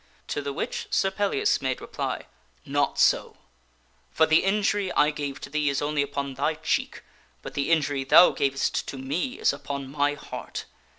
To the which Sir Pellias made reply, "Not so; for the injury I gave to thee is only upon thy cheek, but the injury thou gavest to me is upon my heart.